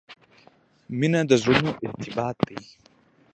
• مینه د زړونو ارتباط دی.